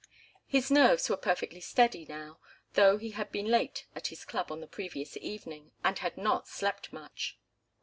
His nerves were perfectly steady now, though he had been late at his club on the previous evening, and had not slept much.